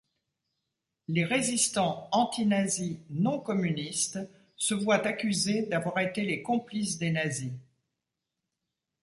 Les résistants anti-nazis non-communistes se voient accusés d'avoir été les complices des nazis.